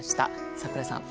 櫻井さん。